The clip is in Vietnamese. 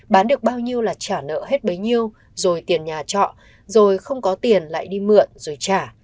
bán được bao nhiêu là trả nợ hết bấy nhiêu rồi tiền nhà trọ rồi không có tiền lại đi mượn rồi trả